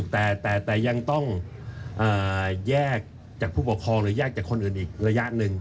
แต่ยังต้องแยกจากผู้ปกครองหรือแยกจากคนอื่นอีกระยะหนึ่ง